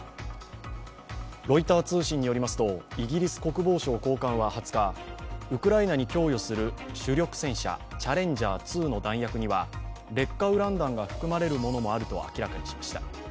ロイター通信によりますとイギリス国防省高官は２０日、ウクライナに供与する主力戦車チャレンジャー２の弾薬には劣化ウラン弾が含まれるものもあると明らかにしました。